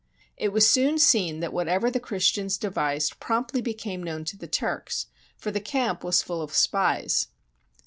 It was soon seen that whatever the Christians de vised promptly became known to the Turks, for the camp was full of spies.